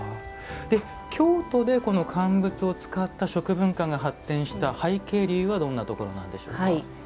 京都で乾物を使った食文化が発展した背景、理由はどんなところなんでしょうか。